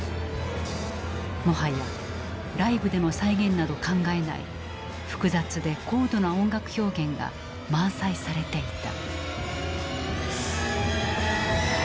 もはやライブでの再現など考えない複雑で高度な音楽表現が満載されていた。